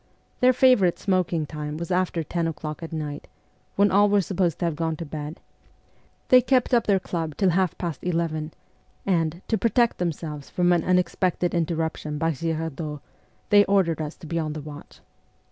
Their favourite smoking time was after ten o'clock at night, when all were supposed to have gone to bed ; they kept up their* club till half past eleven, and, to protect themselves from an unexpected interruption by Girardot, they ordered us to be on the watch.